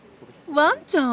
ワンちゃん？